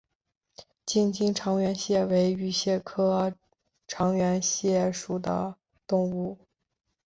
近亲长臂蟹为玉蟹科长臂蟹属的动物。